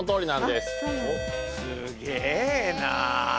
すげえな。